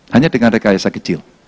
hanya dengan rekayasa kecil